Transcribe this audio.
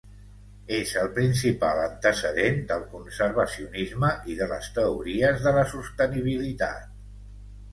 És el principal antecedent del conservacionisme i de les teories de la sostenibilitat.